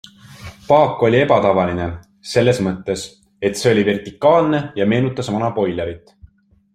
Paak oli ebatavaline, selles mõttes, et see oli vertikaalne ja meenutas vana boilerit.